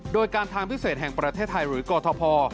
โดยการทางพิเศษแห่งประเทศไทยหรือกอทพ